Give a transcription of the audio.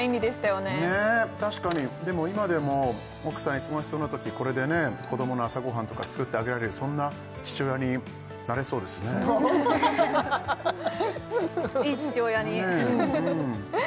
ねぇ確かにでも今でも奥さん忙しそうなときこれでね子どもの朝ごはんとか作ってあげられるそんな父親になれそうですねいい父親にねぇ